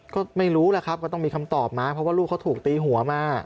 ก็ไม่รู้แหละครับว่าต้องมีคำตอบมาเพราะว่าลูกเขาถูกตีหัวมา